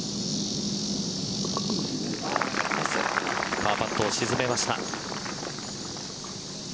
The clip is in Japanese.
パーパットを沈めました。